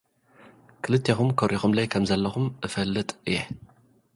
ክልቴኹም ኮሪኾምለይ ከም ዘለኹም እፈልጥ እየ።